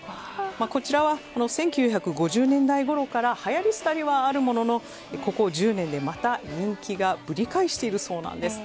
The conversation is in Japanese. こちらは１９５０年代ごろからはやり廃りはあるもののここ１０年でまた人気がぶり返しているそうなんです。